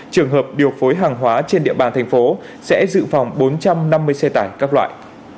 trường hợp điều phối hàng hóa trên địa bàn thành phố sẽ dự phòng bốn trăm năm mươi xe tải các loại